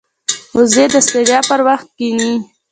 وزې د ستړیا پر وخت کښیني